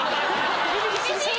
厳しい！